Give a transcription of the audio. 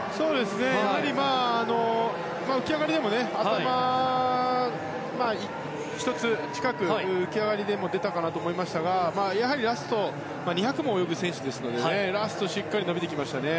やはり浮き上がりでも頭１つ近く出たかなと思いましたが２００ｍも泳ぐ選手ですのでラスト、しっかり伸びてきましたね。